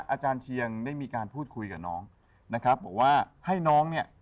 อาจารย์เชียงได้มีการพูดคุยกับน้องนะครับบอกว่าให้น้องเนี่ย